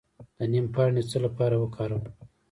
د نیم پاڼې د څه لپاره وکاروم؟